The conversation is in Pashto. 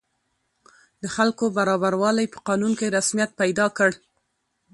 د خلکو برابروالی په قانون کې رسمیت پیدا کړ.